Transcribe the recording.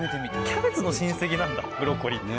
キャベツの親戚なんだブロッコリーって。